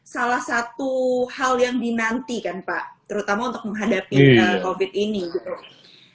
salah satu hal yang dinantikan pak terutama untuk menghadapi covid ini gitu